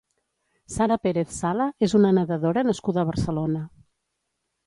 Sara Pérez Sala és una nedadora nascuda a Barcelona.